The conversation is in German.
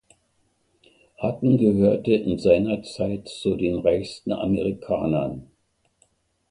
Hutton gehörte in seiner Zeit zu den reichsten Amerikanern.